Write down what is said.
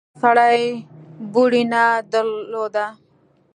هغه سړي بوړۍ نه درلوده.